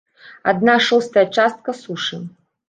Адна шостая частка сушы!